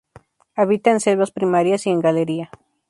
Habita en selvas primarias y en galería.